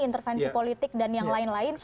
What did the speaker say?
intervensi politik dan yang lain lain